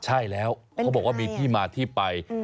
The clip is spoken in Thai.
ใช่แล้วเขาบอกว่ามีที่มาที่ไป